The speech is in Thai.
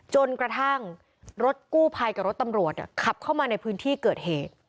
จนกระทั่งรถกู้ภัยกับรถตำรวจขับเข้ามาในพื้นที่เกิดเหตุ